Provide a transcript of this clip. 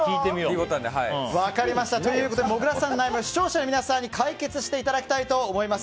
ということでもぐらさんの悩みを視聴者の皆さんに解決していただきたいと思います。